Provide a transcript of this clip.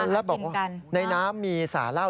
แล้วบอกว่าในน้ำมีสาเหล้า